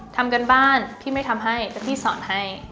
ทำการบ้านพี่ไม่ทำให้แต่พี่สอนให้